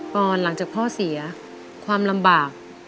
หลังจากพ่อเสียความลำบาก